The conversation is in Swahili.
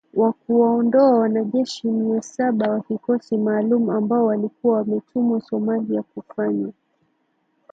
wa kuwaondoa wanajeshi mia saba wa kikosi maalum ambao walikuwa wametumwa Somalia kufanya